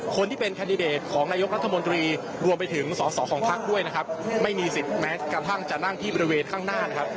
คนที่เป็นแคนดิเดตของนายกรัฐมนตรีรวมไปถึงสอสอของพักด้วยนะครับไม่มีสิทธิ์แม้กระทั่งจะนั่งที่บริเวณข้างหน้านะครับ